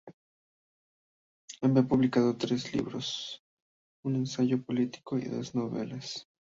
Había publicados tres libros: un ensayo político y dos novelas.